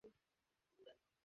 সোজা গিয়ে বামে।